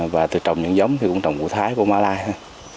và tôi trồng những giống thì cũng trồng của thái của malaysia